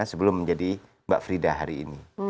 sebelum menjadi mbak frida hari ini